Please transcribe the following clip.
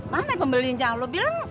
mana pembeli injang lu bilang